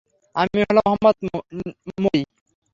আমি হলাম মোহাম্মদ মবি।